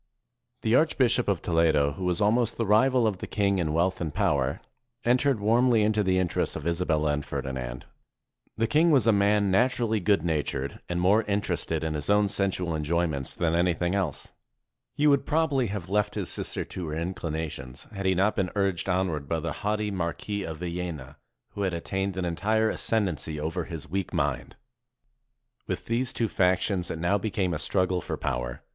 The Archbishop of Toledo, who was almost the rival of the king in wealth and power, en tered warmly into the interests of Isabella and Ferdi nand. The king was a man naturally good natured, and more interested in his own sensual enjoyments than 454 ELOPEMENT OF FERDINAND AND ISABELLA anything else. He would probably have left his sister to her inclinations, had he not been urged onward by the haughty Marquis of Villena, who had attained an entire ascendancy over his weak mind. With these two factions it now became a struggle for power.